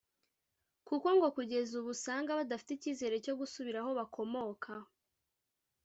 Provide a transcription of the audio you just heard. kuko ngo kugeza ubu usanga badafite icyizere cyo gusubira aho bakomoka